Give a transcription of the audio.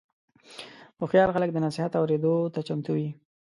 هوښیار خلک د نصیحت اورېدو ته چمتو وي.